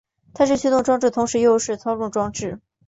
它既是驱动装置同时又是操纵装置。